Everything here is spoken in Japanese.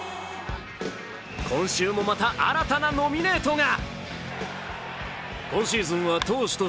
今週もまた新たなノミネートが。